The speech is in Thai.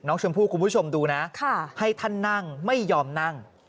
คุณผู้ชมดูนะให้ท่านนั่งไม่ยอมนั่ง